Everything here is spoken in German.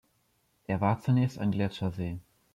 Er war zunächst ein Gletschersee.